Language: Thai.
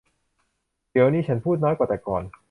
เดี๋ยวนี้ฉันพูดน้อยกว่าแต่ก่อน